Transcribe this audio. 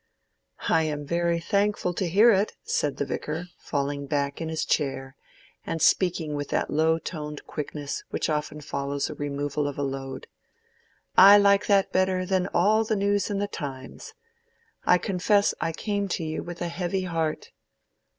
"I am very thankful to hear it," said the Vicar, falling back in his chair, and speaking with that low toned quickness which often follows the removal of a load. "I like that better than all the news in the 'Times.' I confess I came to you with a heavy heart."